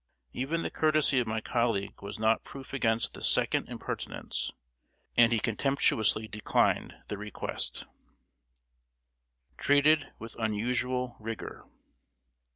Even the courtesy of my colleague was not proof against this second impertinence, and he contemptuously declined the request. [Sidenote: TREATED WITH UNUSUAL RIGOR.